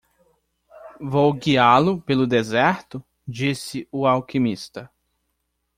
"Vou guiá-lo pelo deserto?", disse o alquimista.